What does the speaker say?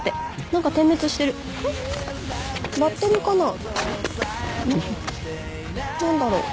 何だろう？